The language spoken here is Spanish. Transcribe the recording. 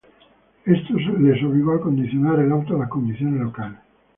Esto les obligó a acondicionar el auto a las condiciones locales.